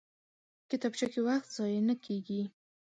کتابچه کې وخت ضایع نه کېږي